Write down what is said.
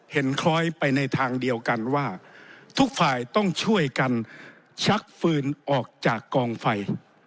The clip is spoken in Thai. คล้อยไปในทางเดียวกันว่าทุกฝ่ายต้องช่วยกันชักฟืนออกจากกองไฟ